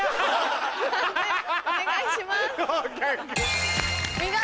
判定お願いします。